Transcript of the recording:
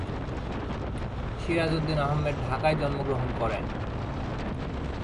সিরাজ উদ্দিন আহমেদ ঢাকায় জন্মগ্রহণ করেন।